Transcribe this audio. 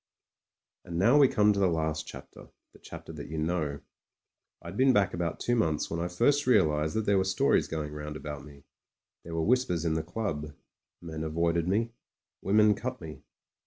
And now we come to the last chapter — the chapter that you know. I'd been back about two months when I first realised that there were stories going round about me. There were whispers in the club; men avoided me ; women cut me.